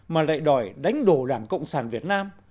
mà lại đòi đánh đổ đảng cộng sản việt nam